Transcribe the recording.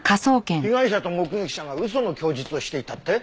被害者と目撃者が嘘の供述をしていたって？